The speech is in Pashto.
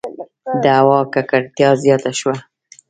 • د هوا ککړتیا زیاته شوه.